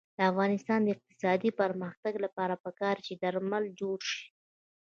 د افغانستان د اقتصادي پرمختګ لپاره پکار ده چې درمل جوړ شي.